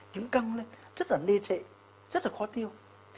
trứng căng lên rất là nê trệ rất là khó tiêu